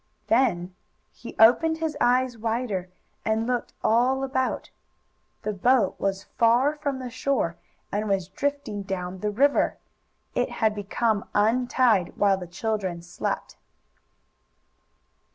Then he opened his eyes wider and looked all about. The boat was far from shore and was drifting down the river. It had become untied while the children slept.